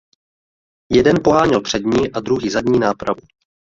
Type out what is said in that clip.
Jeden poháněl přední a druhý zadní nápravu.